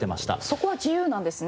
そこは自由なんですね？